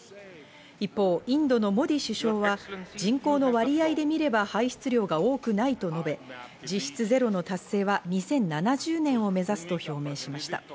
一方、インドのモディ首相は人口の割合で見れば、排出量が多くないと述べ、実質ゼロの達成は２０７０年を目指すと表明しました。